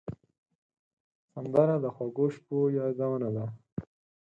سندره د خوږو شپو یادونه ده